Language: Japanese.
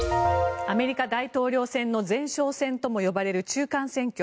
アメリカ大統領選の前哨戦とも呼ばれる中間選挙。